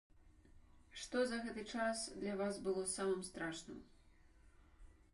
Што за гэты час для вас было самым страшным?